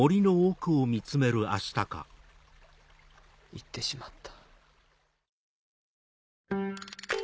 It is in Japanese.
行ってしまった。